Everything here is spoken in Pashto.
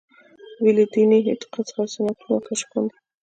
بې له دیني اعتقاد څخه سنتونه کشف کاندي.